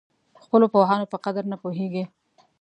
خپلو پوهانو په قدر نه پوهېږي.